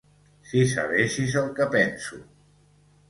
Si sabessis el que penso!